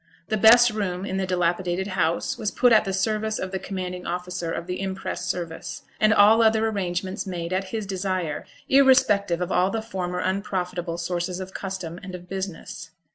The best room in the dilapidated house was put at the service of the commanding officer of the impress service, and all other arrangements made at his desire, irrespective of all the former unprofitable sources of custom and of business.